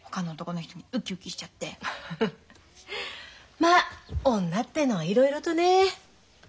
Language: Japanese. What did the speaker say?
ま女ってえのはいろいろとね。